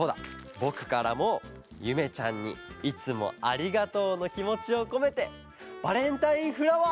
ぼくからもゆめちゃんにいつもありがとうのきもちをこめてバレンタインフラワー。